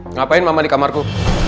ngapain mama di kamarku